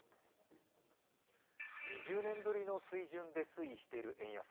２０年ぶりの水準で推移している円安。